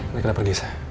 mereka udah pergi sa